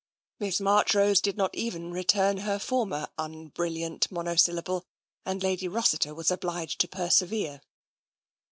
Miss Marchrose did not even return her former un brilliant monosyllable, and Lady Rossiter was obliged to persevere.